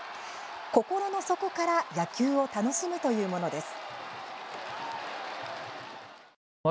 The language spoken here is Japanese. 心の底から野球を楽しむというものです。